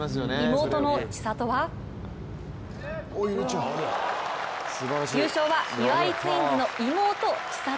妹の千怜は優勝は岩井ツインズの妹・千怜。